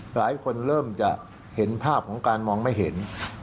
หลายคนเริ่มจะเห็นภาพของการมองไม่เห็น